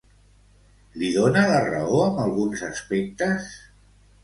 Li dona la raó amb alguns aspectes?